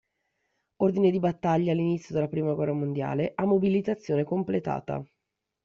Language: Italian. Ordine di battaglia all'inizio della prima guerra mondiale, a mobilitazione completata.